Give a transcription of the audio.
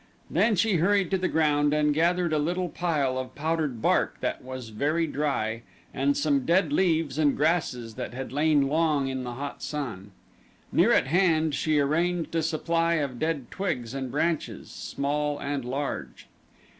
Then she hurried to the ground and gathered a little pile of powdered bark that was very dry, and some dead leaves and grasses that had lain long in the hot sun. Near at hand she arranged a supply of dead twigs and branches small and large.